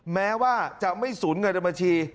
แม้ว่าจะไม่สูญเงินในบัญชี